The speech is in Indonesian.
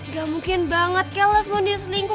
gak mungkin banget kelas mondi yang selingkuh